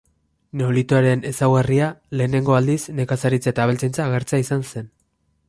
Neolitoaren ezaugarria lehenengo aldiz nekazaritza eta abeltzaintza agertzea izan zen.